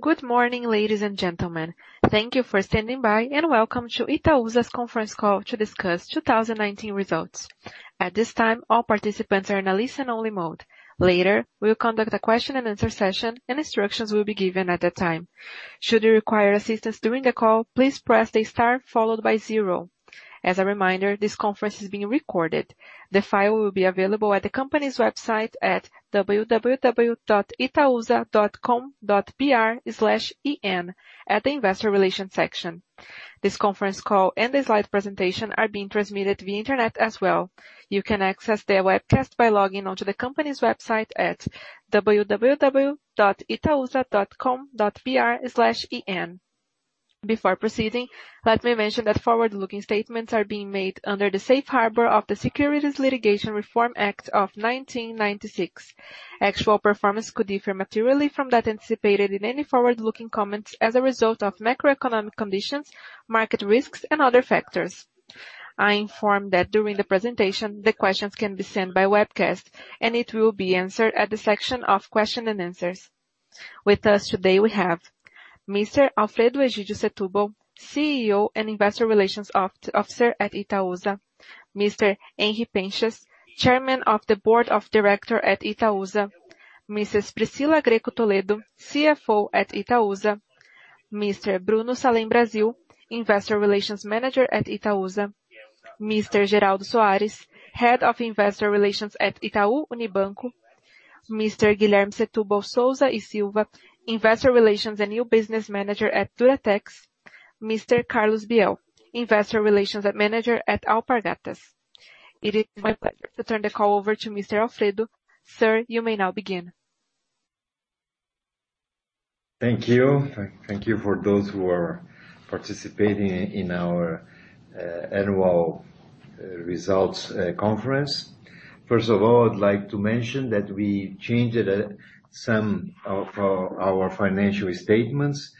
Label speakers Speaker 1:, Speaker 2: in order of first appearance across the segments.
Speaker 1: Good morning, ladies and gentlemen. Thank you for standing by. Welcome to Itaúsa's conference call to discuss 2019 results. At this time, all participants are in a listen only mode. Later, we will conduct a question and answer session, and instructions will be given at that time. Should you require assistance during the call, please press the star followed by zero. As a reminder, this conference is being recorded. The file will be available at the company's website at www.itausa.com.br/en at the investor relation section. This conference call and the slide presentation are being transmitted via internet as well. You can access their webcast by logging on to the company's website at www.itausa.com.br/en. Before proceeding, let me mention that forward-looking statements are being made under the Safe Harbor of the Private Securities Litigation Reform Act of 1995. Actual performance could differ materially from that anticipated in any forward-looking comments as a result of macroeconomic conditions, market risks and other factors. I inform that during the presentation, the questions can be sent by webcast, and it will be answered at the section of question and answers. With us today, we have Mr. Alfredo Egydio Setubal, CEO and Investor Relations Officer at Itaúsa, Mr. Henri Penchas, Chairman of the Board of Director at Itaúsa, Mrs. Priscila Grecco Toledo, CFO at Itaúsa, Mr. Bruno Salem Brasil, Investor Relations Manager at Itaúsa, Mr. Geraldo Soares, Head of Investor Relations at Itaú Unibanco, Mr. Guilherme Setubal Souza e Silva, Investor Relations and New Business Manager at Duratex, Mr. Carlos Biel, Investor Relations Manager at Alpargatas. It is my pleasure to turn the call over to Mr. Alfredo. Sir, you may now begin.
Speaker 2: Thank you. Thank you for those who are participating in our annual results conference. First of all, I'd like to mention that we changed some of our financial statements.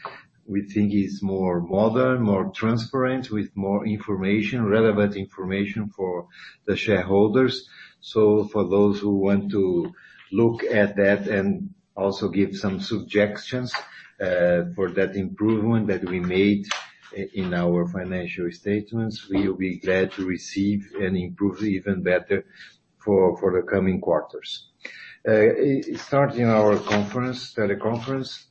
Speaker 2: We think it's more modern, more transparent, with more relevant information for the shareholders. For those who want to look at that and also give some suggestions for that improvement that we made in our financial statements, we will be glad to receive and improve even better for the coming quarters. Starting our teleconference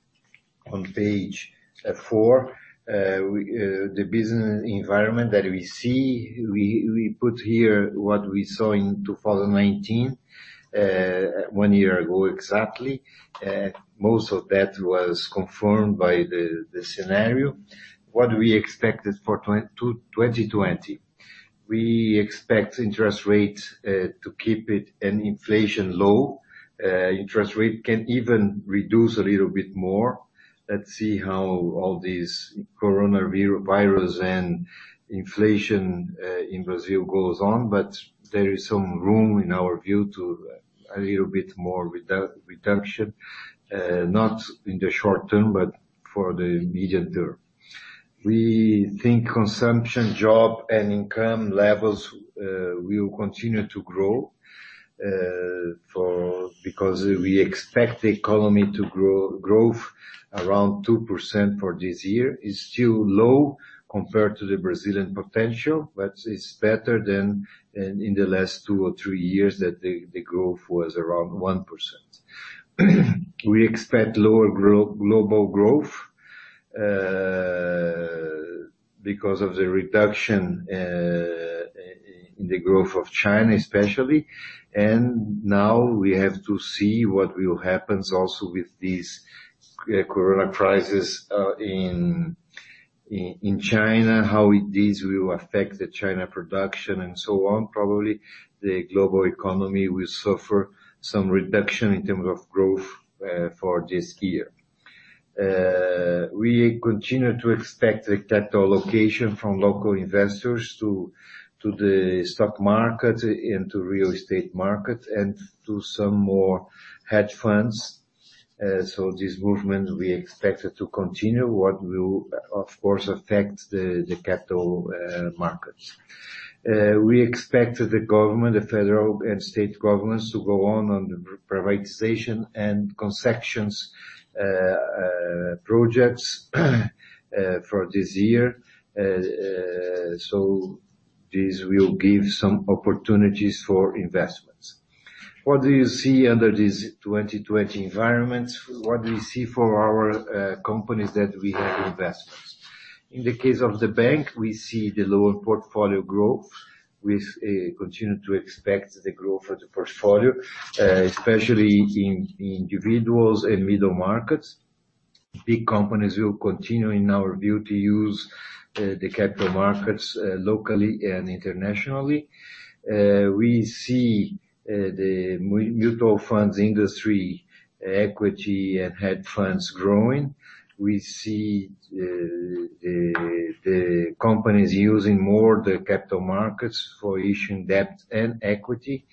Speaker 2: on page four, the business environment that we see, we put here what we saw in 2019, one year ago exactly. Most of that was confirmed by the scenario. What we expected for 2020. We expect interest rates to keep it and inflation low. Interest rate can even reduce a little bit more. Let's see how all this coronavirus and inflation in Brazil goes on, but there is some room in our view to a little bit more reduction. Not in the short term, but for the medium term. We think consumption, job, and income levels will continue to grow because we expect the economy to grow around 2% for this year. It's still low compared to the Brazilian potential, but it's better than in the last two or three years that the growth was around 1%. We expect lower global growth because of the reduction in the growth of China especially. Now we have to see what will happen also with this coronavirus in China, how this will affect the China production and so on. Probably the global economy will suffer some reduction in terms of growth for this year. We continue to expect the capital allocation from local investors to the stock market, into real estate market and to some more hedge funds. This movement we expect to continue, what will of course affect the capital markets. We expect the federal and state governments to go on the privatization and concessions projects for this year. This will give some opportunities for investments. What do you see under this 2020 environment? What do you see for our companies that we have investments? In the case of the bank, we see the lower portfolio growth. We continue to expect the growth of the portfolio, especially in individuals and middle markets. Big companies will continue in our view to use the capital markets locally and internationally. We see the mutual funds industry equity and hedge funds growing. We see the companies using more the capital markets for issuing debt and equity.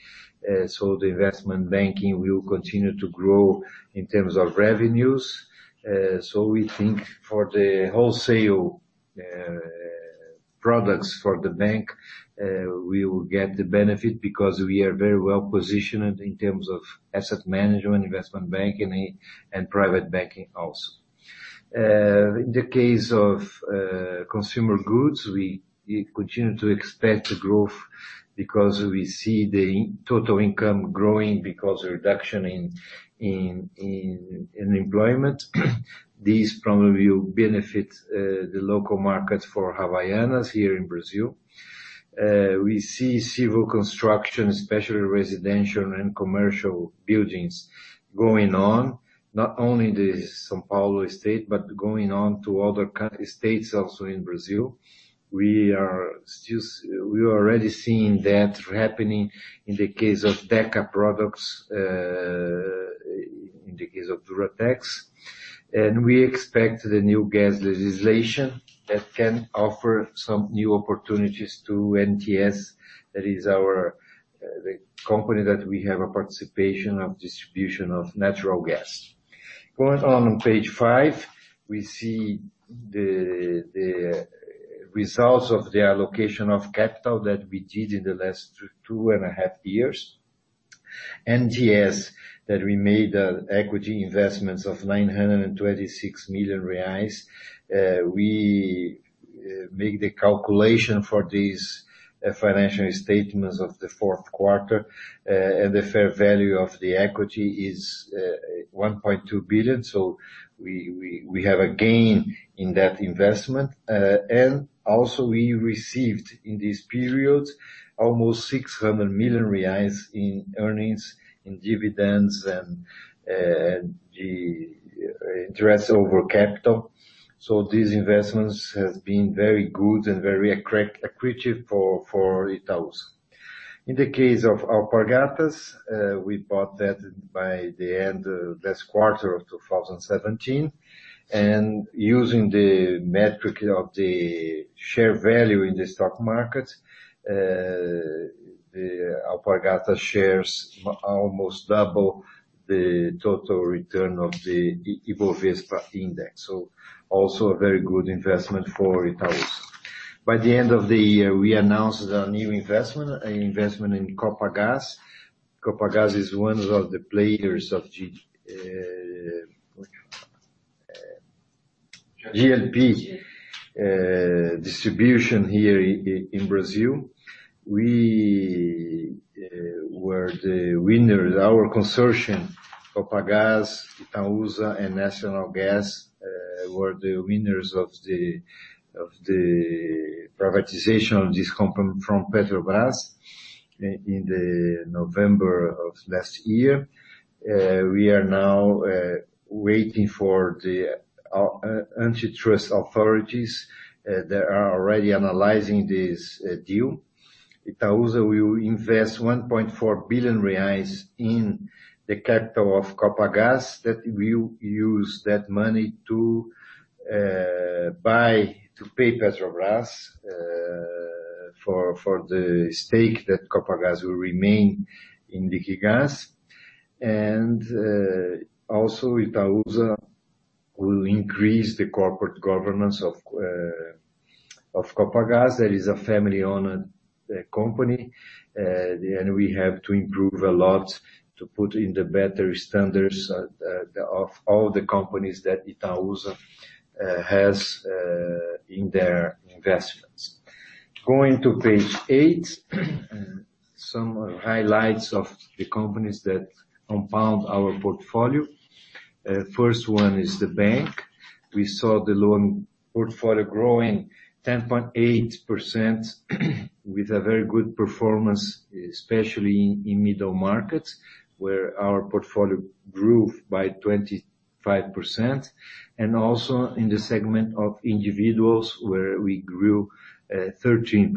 Speaker 2: The investment banking will continue to grow in terms of revenues. We think for the wholesale products for the bank, we will get the benefit because we are very well-positioned in terms of asset management, investment banking, and private banking also. In the case of consumer goods, we continue to expect growth because we see the total income growing because of reduction in employment. This probably will benefit the local markets for Havaianas here in Brazil. We see civil construction, especially residential and commercial buildings going on, not only in the São Paulo state, but going on to other states also in Brazil. We are already seeing that happening in the case of Deca products, in the case of Duratex. We expect the new gas legislation that can offer some new opportunities to NTS, that is the company that we have a participation of distribution of natural gas. Going on page five, we see the results of the allocation of capital that we did in the last two and a half years. NTS, that we made equity investments of 926 million reais. We make the calculation for these financial statements of the fourth quarter, and the fair value of the equity is 1.2 billion, so we have a gain in that investment. We received, in this period, almost 600 million reais in earnings, in dividends, and the interest over capital. These investments have been very good and very accretive for Itaúsa. In the case of Alpargatas, we bought that by the end of last quarter of 2017. Using the metric of the share value in the stock market, the Alpargatas shares almost double the total return of the Ibovespa index. Also a very good investment for Itaúsa. By the end of the year, we announced a new investment, an investment in Copagaz. Copagaz is one of the players of GLP distribution here in Brazil. Our consortium, Copagaz, Itaúsa, and Nacional Gás, were the winners of the privatization of this company from Petrobras in the November of last year. We are now waiting for the antitrust authorities that are already analyzing this deal. Itaúsa will invest 1.4 billion reais in the capital of Copagaz that we'll use that money to pay Petrobras for the stake that Copagaz will remain in Liquigás. Also, Itaúsa will increase the corporate governance of Copagaz. That is a family-owned company. We have to improve a lot to put in the better standards of all the companies that Itaúsa has in their investments. Going to page eight, some highlights of the companies that compound our portfolio. First one is the bank. We saw the loan portfolio growing 10.8% with a very good performance, especially in middle markets, where our portfolio grew by 25%, and also in the segment of individuals, where we grew 13%.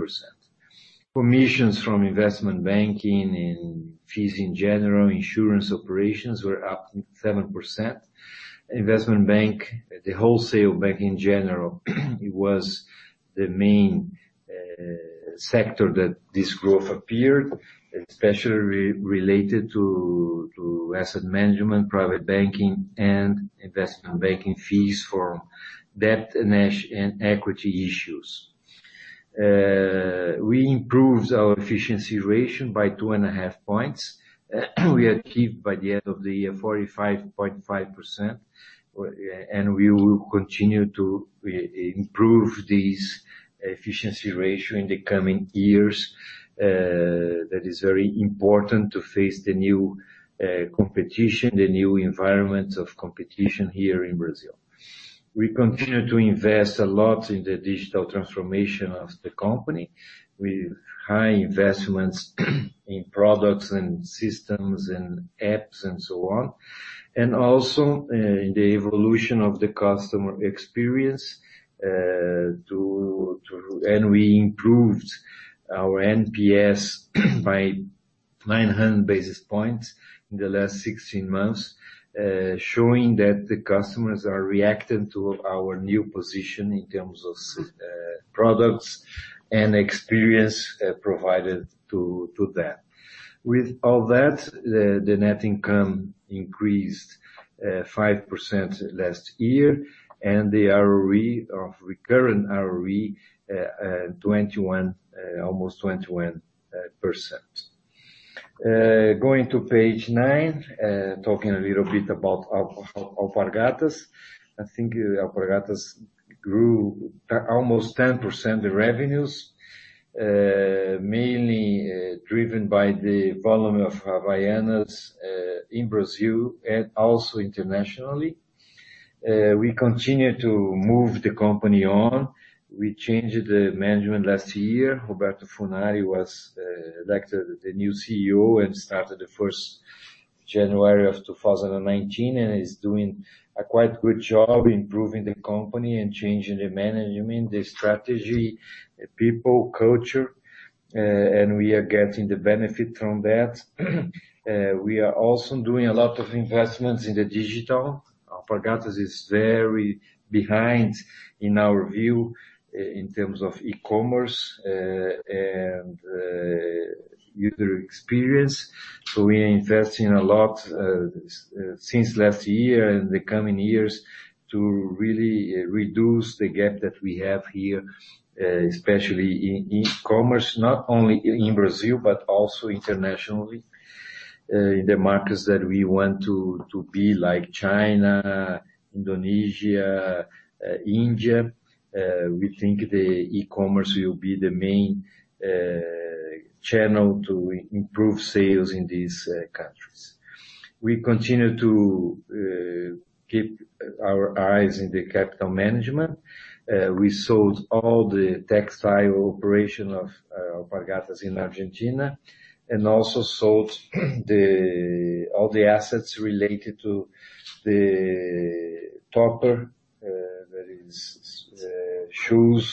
Speaker 2: Commissions from investment banking and fees in general, insurance operations were up 7%. Investment bank, the wholesale bank in general, it was the main sector that this growth appeared, especially related to asset management, private banking, and investment banking fees for debt and equity issues. We improved our efficiency ratio by 2.5 points. We achieved by the end of the year 45.5%. We will continue to improve this efficiency ratio in the coming years. That is very important to face the new competition, the new environment of competition here in Brazil. We continue to invest a lot in the digital transformation of the company, with high investments in products and systems and apps and so on. Also, the evolution of the customer experience, and we improved our NPS by 900 basis points in the last 16 months, showing that the customers are reacting to our new position in terms of products and experience provided to them. With all that, the net income increased 5% last year. The ROE of recurrent ROE almost 21%. Going to page nine, talking a little bit about Alpargatas. I think Alpargatas grew almost 10% in revenues, mainly driven by the volume of Havaianas in Brazil and also internationally. We continue to move the company on. We changed the management last year. Roberto Funari was elected the new CEO and started the 1st January of 2019, and is doing a quite good job improving the company and changing the management, the strategy, the people, culture, and we are getting the benefit from that. We are also doing a lot of investments in the digital. Alpargatas is very behind in our view in terms of e-commerce, and user experience. We are investing a lot since last year and the coming years to really reduce the gap that we have here, especially in e-commerce, not only in Brazil but also internationally, in the markets that we want to be, like China, Indonesia, India. We think the e-commerce will be the main channel to improve sales in these countries. We continue to keep our eyes in the capital management. We sold all the textile operation of Alpargatas in Argentina, and also sold all the assets related to the Topper, that is shoes,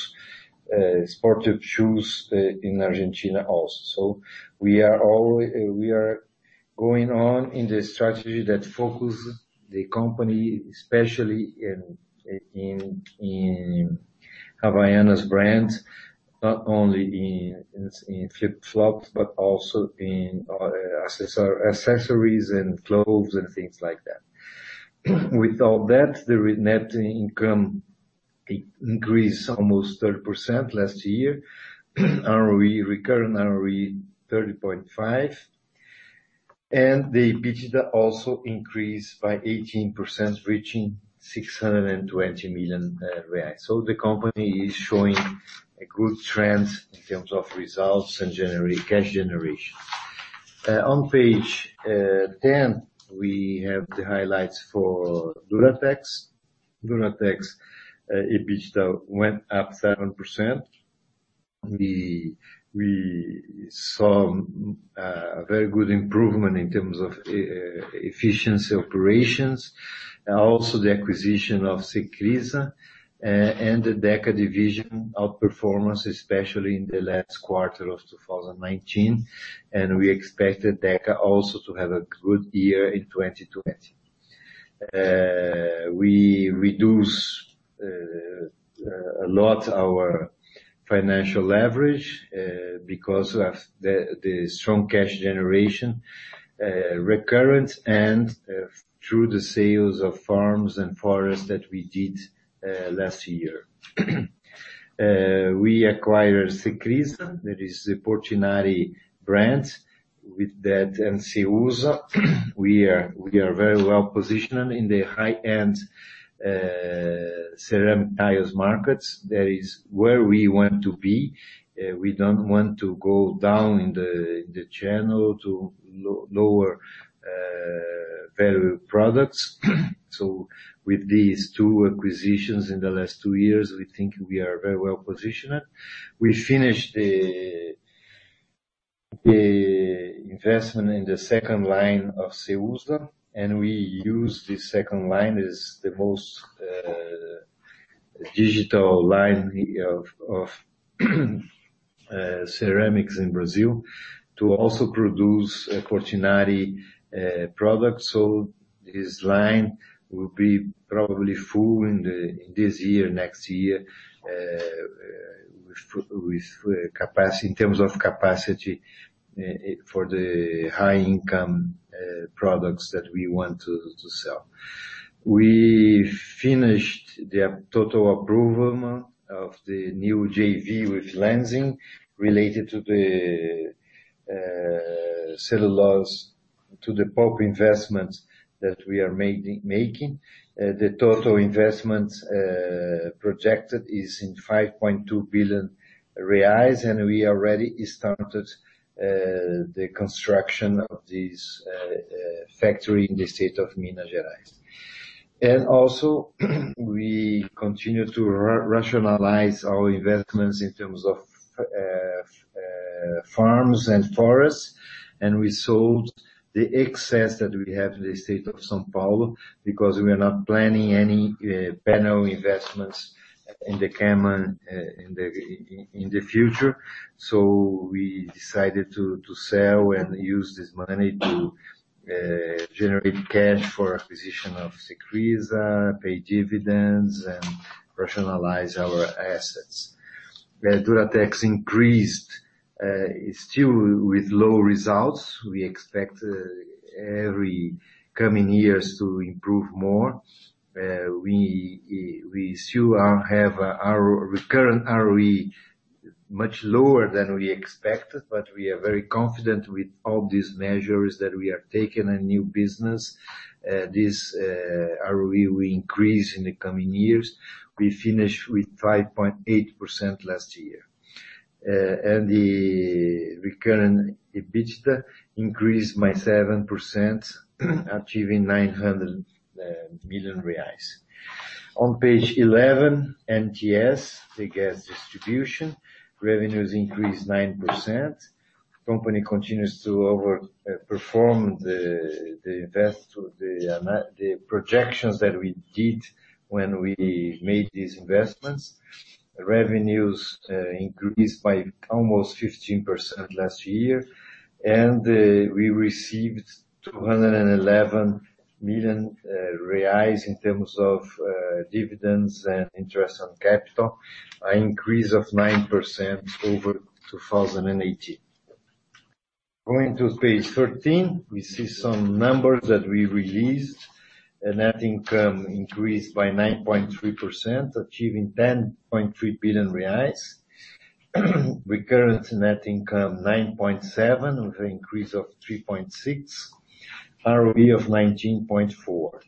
Speaker 2: sportive shoes in Argentina also. We are going on in the strategy that focus the company, especially in Havaianas brand, not only in flip-flops, but also in accessories and clothes and things like that. With all that, the net income increased almost 30% last year. ROE, recurring ROE 30.5. The EBITDA also increased by 18%, reaching 620 million reais. The company is showing a good trend in terms of results and cash generation. On page 10, we have the highlights for Duratex. Duratex EBITDA went up 7%. We saw a very good improvement in terms of efficiency operations. The acquisition of Cecrisa and the Deca division outperformance, especially in the last quarter of 2019. We expect Deca also to have a good year in 2020. We reduce a lot our financial leverage because of the strong cash generation recurrence and through the sales of farms and forests that we did last year. We acquired Cecrisa, that is the Portinari brand. With that and Ceusa, we are very well-positioned in the high-end ceramic tiles markets. That is where we want to be. We don't want to go down in the channel to lower value products. With these two acquisitions in the last two years, we think we are very well-positioned. We finished the investment in the second line of Ceusa, and we use this second line as the most digital line of ceramics in Brazil to also produce Portinari products. This line will be probably full in this year, next year, in terms of capacity for the high-income products that we want to sell. We finished the total approval of the new JV with Lenzing related to the cellulose, to the pulp investments that we are making. The total investments projected is 5.2 billion reais, and we already started the construction of this factory in the state of Minas Gerais. Also we continue to rationalize our investments in terms of farms and forests. We sold the excess that we have in the state of São Paulo because we are not planning any panel investments in the future. We decided to sell and use this money to generate cash for acquisition of Cecrisa, pay dividends, and rationalize our assets. Duratex increased, still with low results. We expect every coming years to improve more. We still have our recurrent ROE much lower than we expected, but we are very confident with all these measures that we are taking in new business. This ROE will increase in the coming years. We finished with 5.8% last year. The recurrent EBITDA increased by 7%, achieving 900 million reais. On page 11, NTS, the gas distribution, revenues increased 9%. Company continues to overperform the projections that we did when we made these investments. Revenues increased by almost 15% last year, and we received 211 million reais in terms of dividends and interest on capital, an increase of 9% over 2018. Going to page 13, we see some numbers that we released. A net income increase by 9.3%, achieving 10.3 billion reais. Recurrent net income 9.7 billion, with an increase of 3.6%, ROE of 19.4%.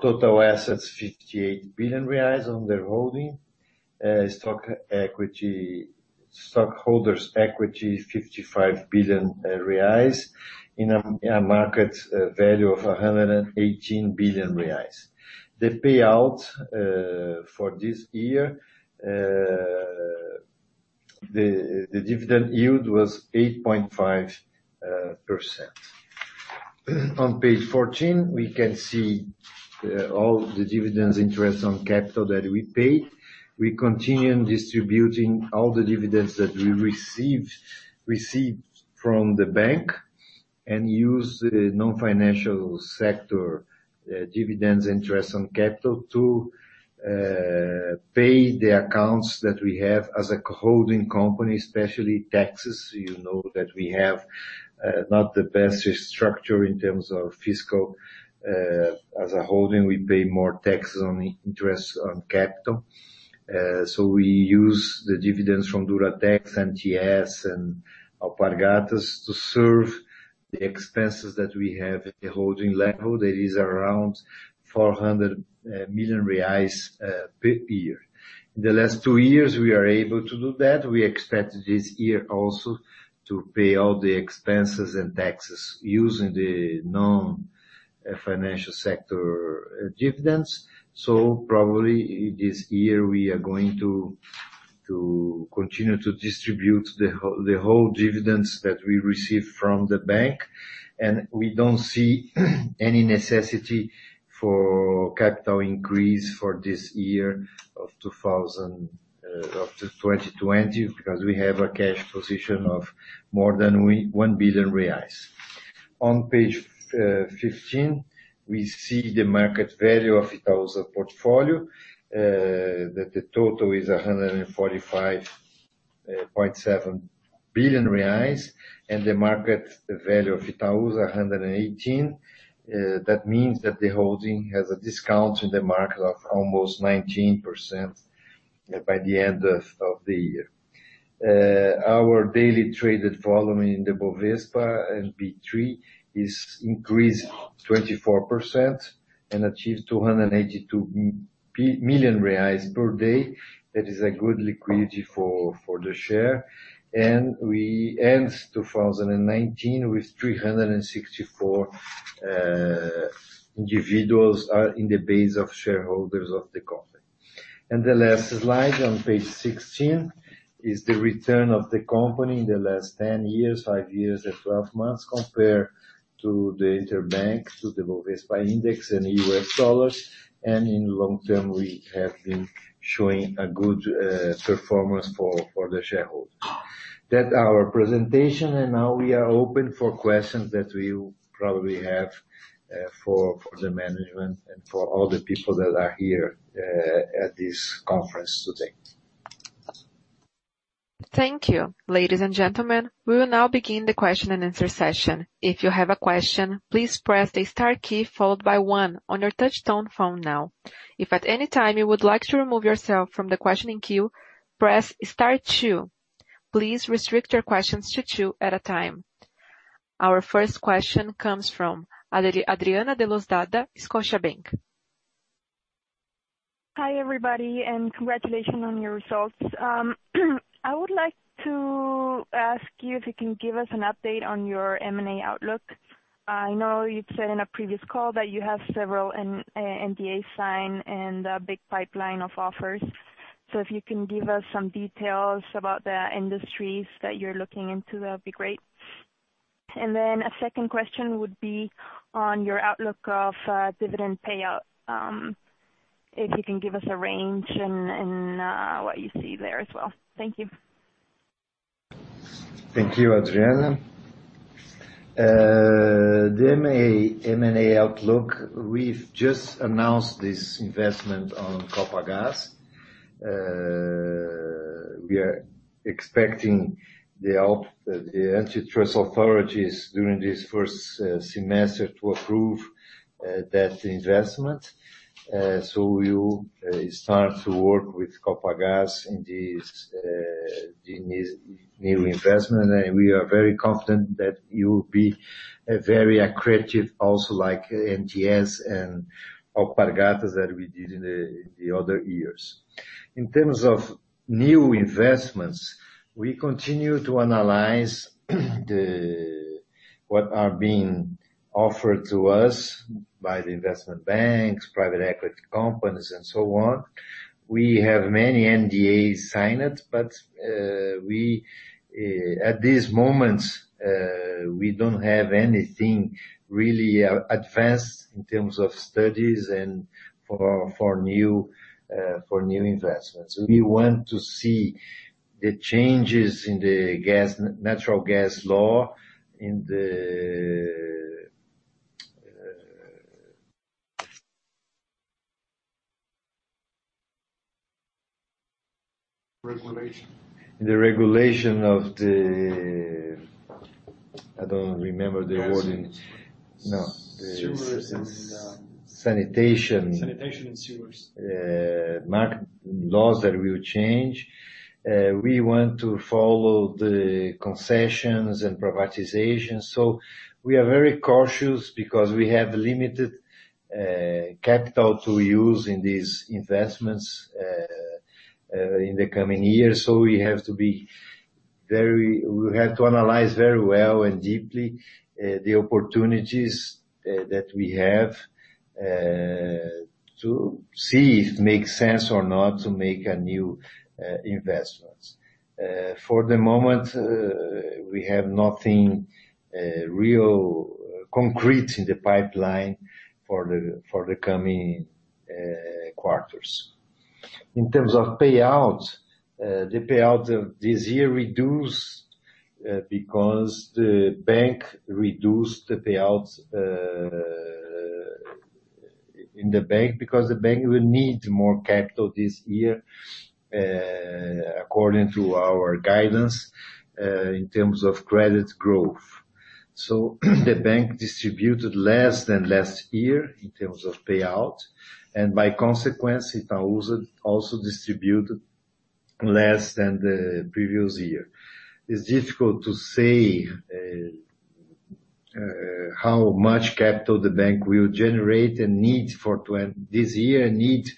Speaker 2: Total assets, 58 billion reais on the holding. Stockholders' equity, 55 billion reais in a market value of 118 billion reais. The payout for this year, the dividend yield was 8.5%. On page 14, we can see all the dividends interest on capital that we paid. We continue distributing all the dividends that we received from the bank and use the non-financial sector dividends interest on capital to pay the accounts that we have as a holding company, especially taxes. You know that we have not the best structure in terms of fiscal. As a holding, we pay more taxes on interest on capital. We use the dividends from Duratex, NTS, and Alpargatas to serve the expenses that we have at the holding level. That is around 400 million reais per year. The last two years, we are able to do that. We expect this year also to pay all the expenses and taxes using the non-financial sector dividends. Probably this year we are going to continue to distribute the whole dividends that we receive from the bank. We don't see any necessity for capital increase for this year of 2020 because we have a cash position of more than 1 billion reais. On page 15, we see the market value of Itaúsa portfolio, that the total is 145.7 billion reais, and the market value of Itaúsa, 118 billion. That means that the holding has a discount in the market of almost 19% by the end of the year. Our daily traded volume in the Bovespa and B3 is increased 24% and achieved 282 million reais per day. That is a good liquidity for the share. We end 2019 with 364 individuals are in the base of shareholders of the company. The last slide on page 16 is the return of the company in the last 10 years, five years, and 12 months compared to the interbank, to the Bovespa index in U.S. dollars. In long term, we have been showing a good performance for the shareholders. That is our presentation, and now we are open for questions that you probably have for the management and for all the people that are here at this conference today.
Speaker 1: Thank you. Ladies and gentlemen, we will now begin the question and answer session. If you have a question, please press the star key followed by one on your touch tone phone now. If at any time you would like to remove yourself from the questioning queue, press star two. Please restrict your questions to two at a time. Our first question comes from Adriana de Lozada, Scotiabank.
Speaker 3: Hi, everybody, and congratulations on your results. I would like to ask you if you can give us an update on your M&A outlook. I know you've said in a previous call that you have several NDA signed and a big pipeline of offers. If you can give us some details about the industries that you're looking into, that'd be great. A second question would be on your outlook of dividend payout. If you can give us a range and what you see there as well. Thank you.
Speaker 2: Thank you, Adriana. The M&A outlook, we've just announced this investment on Copagaz. We are expecting the antitrust authorities during this first semester to approve that investment. We will start to work with Copagaz in this new investment, and we are very confident that you will be very accretive also like NTS and Alpargatas that we did in the other years. In terms of new investments, we continue to analyze what are being offered to us by the investment banks, private equity companies, and so on. We have many NDAs signed, but at this moment, we don't have anything really advanced in terms of studies and for new investments. We want to see the changes in the natural gas law in the regulation. The regulation of the I don't remember the wording. Gas. No. Sanitation. Sanitation and sewers. Market laws that will change. We want to follow the concessions and privatizations. We are very cautious because we have limited capital to use in these investments in the coming years. We have to analyze very well and deeply, the opportunities that we have, to see if it makes sense or not to make new investments. For the moment, we have nothing real concrete in the pipeline for the coming quarters. In terms of payout, the payout of this year reduced because the bank reduced the payouts in the bank because the bank will need more capital this year, according to our guidance, in terms of credit growth. The bank distributed less than last year in terms of payout, and by consequence, Itaúsa also distributed less than the previous year. It is difficult to say how much capital the bank will generate and need for this year and need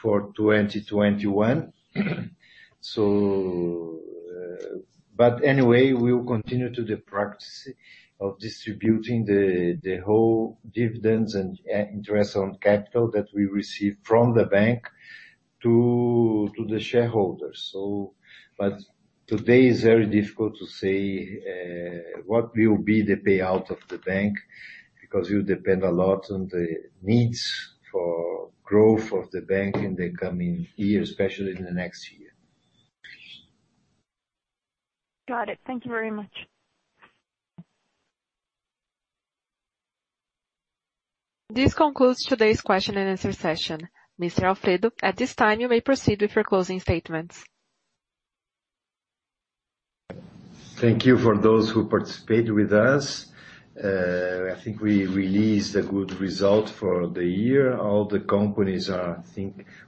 Speaker 2: for 2021. Anyway, we will continue to the practice of distributing the whole dividends and interest on capital that we receive from the bank to the shareholders. Today is very difficult to say what will be the payout of the bank, because it will depend a lot on the needs for growth of the bank in the coming year, especially in the next year.
Speaker 3: Got it. Thank you very much.
Speaker 1: This concludes today's question and answer session. Mr. Alfredo, at this time, you may proceed with your closing statements.
Speaker 2: Thank you for those who participated with us. I think we released a good result for the year. All the companies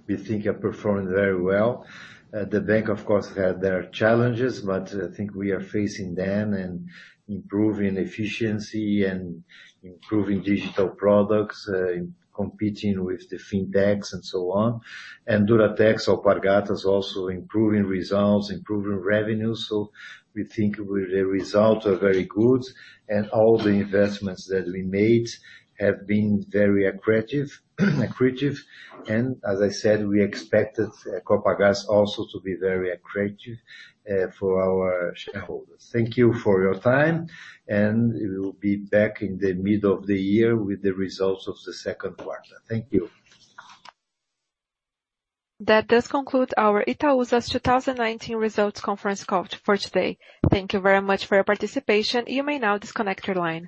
Speaker 2: we think are performing very well. The bank, of course, had their challenges, but I think we are facing them and improving efficiency and improving digital products, competing with the feedbacks and so on. Duratex, Alpargatas also improving results, improving revenues. We think the results are very good, and all the investments that we made have been very accretive. Accretive. As I said, we expected Copagaz also to be very accretive for our shareholders. Thank you for your time, and we will be back in the middle of the year with the results of the second quarter. Thank you.
Speaker 1: That does conclude our Itaúsa's 2019 results conference call for today. Thank you very much for your participation. You may now disconnect your line.